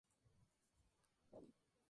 Sede Social: iglesia parroquial de Ntra.